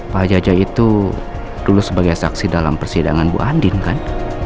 pak jaja itu dulu sebagai saksi dalam persidangan bu andin kan